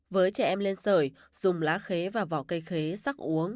với trẻ em lên sởi dùng lá khế và vỏ cây khế sắc uống